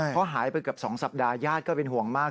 เพราะหายไปเกือบ๒สัปดาห์ญาติก็เป็นห่วงมาก